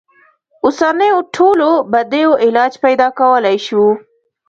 اوسنیو ټولو بدیو علاج پیدا کولای شو.